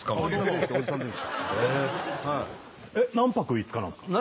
何泊５日なんですか？